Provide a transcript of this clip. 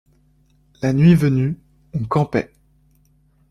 La nuit venue, on campait.